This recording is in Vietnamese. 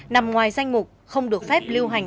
nằm ngoài danh mục không được phép lưu hành